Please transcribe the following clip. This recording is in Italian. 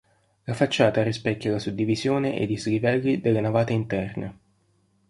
La facciata rispecchia la suddivisione e i dislivelli delle navate interne.